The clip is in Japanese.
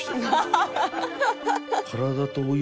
「ハハハハ！」